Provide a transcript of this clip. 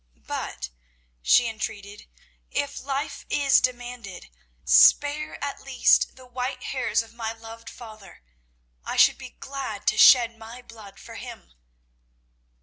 But," she entreated, "if life is demanded, spare at least the white hairs of my loved father. I should be glad to shed my blood for him."